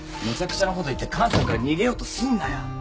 めちゃくちゃなこと言って母さんから逃げようとすんなよ。